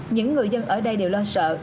những người dân ở đây đều lo sợ